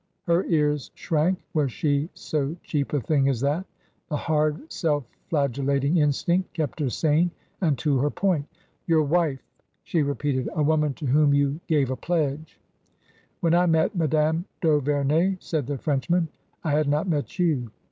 Her ears shrank ; was she so cheap a thing as that ? The hard, self flagellating instinct kept her sane and to her point. " Your wife,'^ she repeated —" a woman to whom you gave a pledge." " When I met Madame d' Auverney," said the French man, " I had not met you.